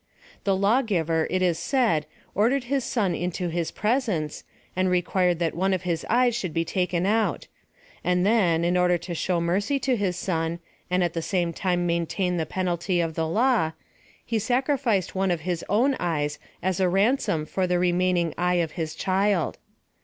The lawgiver, it is said, ordered his son into his presence, and required that one of his eyes should be taken out ; and then, in order to show mercy to his son, and at the same time maintain the penalty of the law, he sacrificed one of his own eyes as a ransom for the remaining eye of his child.